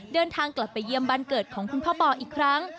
เดินทางกลับไปเยี่ยมบ้านเกิดของคุณพ่อปออีกครั้ง